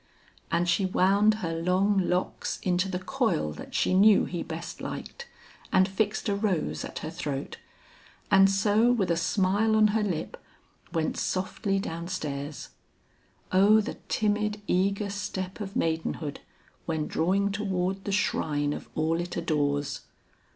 And she wound her long locks into the coil that she knew he best liked and fixed a rose at her throat, and so with a smile on her lip went softly down stairs. O the timid eager step of maidenhood when drawing toward the shrine of all it adores!